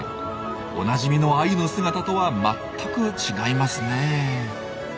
おなじみのアユの姿とは全く違いますねえ。